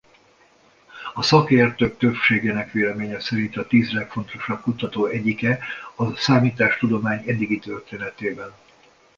A szakértők többségének véleménye szerint a tíz legfontosabb kutató egyike a számítástudomány eddigi történetében.